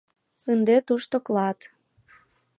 Ынде тушто клат.